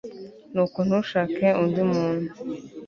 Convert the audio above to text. nuko ntushake undi muntu